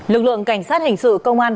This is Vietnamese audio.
lực lượng cảnh sát hình sự công an